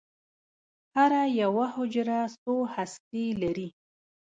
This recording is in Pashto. هره یوه حجره څو هستې لري.